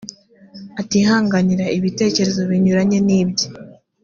atihanganira ibitekerezo binyuranye n’ibye